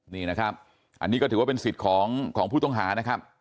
นี่นะครับอันนี้ก็ถือว่าเป็นสิทธิ์ของผู้ต้องหานะครับ